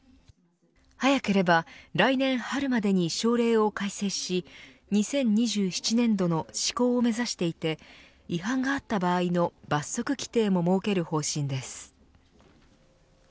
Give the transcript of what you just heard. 早ければ来年春までに省令を改正し２０２７年度の施行を目指していて違反があった場合の罰則規定も設ける方針です。